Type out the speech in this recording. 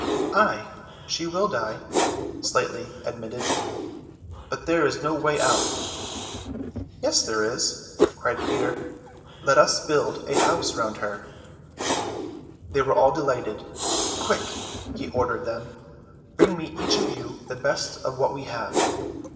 "Ay, she will die," Slightly admitted, "but there is no way out." "Yes, there is," cried Peter. "Let us build a little house round her." They were all delighted. "Quick," he ordered them, "bring me each of you the best of what we have.